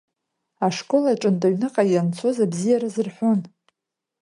Ашкол аҿынтә аҩныҟа ианцоз абзиараз рҳәон.